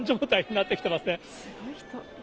すごい人。